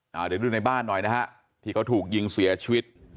เดี๋ยวดูในบ้านหน่อยนะฮะที่เขาถูกยิงเสียชีวิต